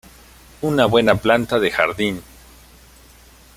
Una buena planta de jardín.